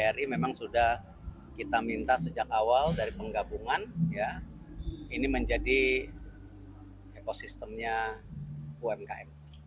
bri memang sudah kita minta sejak awal dari penggabungan ini menjadi ekosistemnya umkm